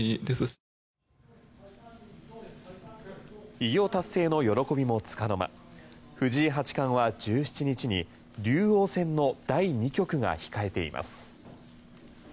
偉業達成の喜びもつかの間藤井八冠は１７日に竜王戦の第２局が控えています。